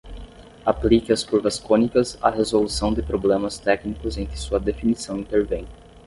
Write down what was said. Aplique as curvas cônicas à resolução de problemas técnicos em que sua definição intervém.